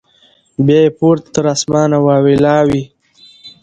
بیا یې پورته تر اسمانه واویلا وي